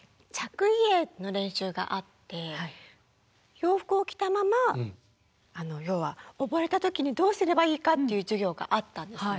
洋服を着たまま要は溺れた時にどうすればいいかっていう授業があったんですね。